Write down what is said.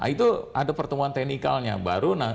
itu ada pertemuan teknikalnya baru